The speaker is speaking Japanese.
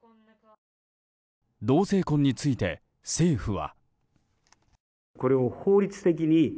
同性婚について政府は。